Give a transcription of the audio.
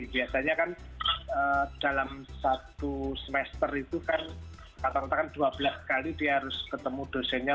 biasanya kan dalam satu semester itu kan katakan dua belas kali dia harus ketemu dosennya